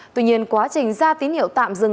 tuy nhiên quá trình ra tín hiệu tạm dừng